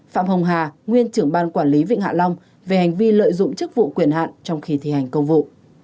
phạm hồng hà nguyên trưởng ban quản lý vịnh hạ long về hành vi lợi dụng chức vụ quyền hạn trong khi thi hành công vụ